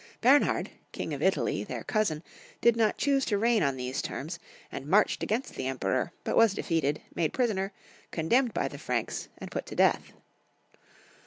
Bemhard, King of Italy, their cousin, did not choose to reign on these terms, and marched against the Emperor, but waa defeated, made prisoner, condemned by the Franks, and put to death.